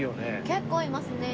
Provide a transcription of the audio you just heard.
結構いますね。